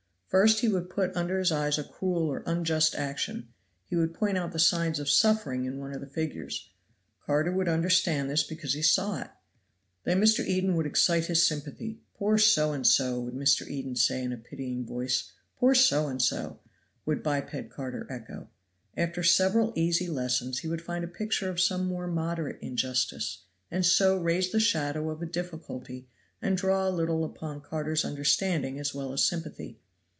First he would put under his eyes a cruel or unjust action. He would point out the signs of suffering in one of the figures. Carter would understand this because he saw it. Then Mr. Eden would excite his sympathy. "Poor so and so!" would Mr. Eden say in a pitying voice. "Poor so and so!" would biped Carter echo. After several easy lessons he would find him a picture of some more moderate injustice, and so raise the shadow of a difficulty and draw a little upon Carter's understanding as well as sympathy.